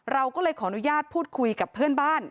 เราก็เลยขออนุญาตพูดคุยกับเพื่อนบ้าน